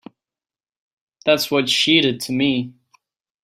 That's what she did to me.